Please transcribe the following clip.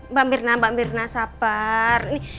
mbak mirna mbak mirna sabar